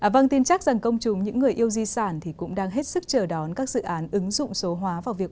vâng tin chắc rằng công chúng những người yêu di sản thì cũng đang hết sức chờ đón các dự án ứng dụng số hóa vào việc